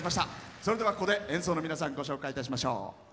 それでは、ここで演奏の皆さんご紹介しましょう。